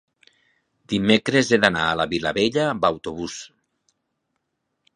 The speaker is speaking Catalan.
Dimecres he d'anar a la Vilavella amb autobús.